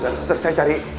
trus sebenernya saya cari